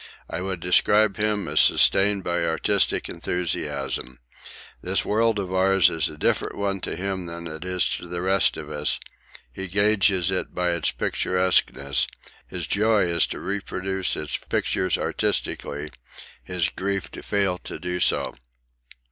I would describe him as sustained by artistic enthusiasm. This world of ours is a different one to him than it is to the rest of us he gauges it by its picturesqueness his joy is to reproduce its pictures artistically, his grief to fail to do so.